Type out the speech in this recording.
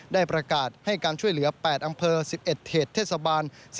ได้ประกาศให้การช่วยเหลือ๘อำเภอ๑๑เขตเทศบาล